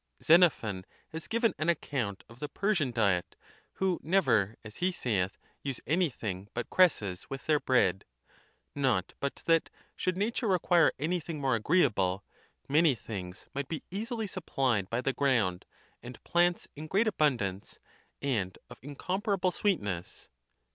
Xenophon has given an account of the Persian diet, who never, as he saith, use anything but cresses with their bread; not but that, should nature require anything more agreeable, many things might be easily supplied by the ground, and plants in great abundance, and of incom parable sweetness.